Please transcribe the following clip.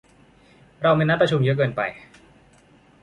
เรามีนัดประชุมเยอะเกินไป